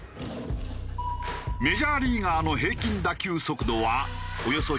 メジャーリーガーの平均打球速度はおよそ１４２キロ。